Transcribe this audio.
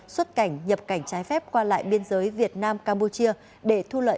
xuất cảnh nhập cảnh trái phép qua lãnh đạo